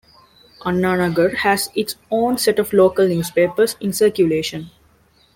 Anna Nagar has its own set of local newspapers in circulation.